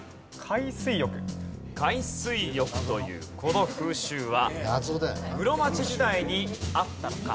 海水浴というこの風習は室町時代にあったのか？